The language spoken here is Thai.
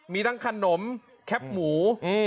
มีทั้งขนมแคปหมู